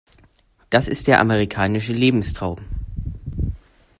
Das ist der amerikanische Lebenstraum.